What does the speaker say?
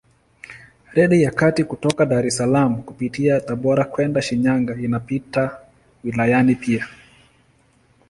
Reli ya kati kutoka Dar es Salaam kupitia Tabora kwenda Shinyanga inapita wilayani pia.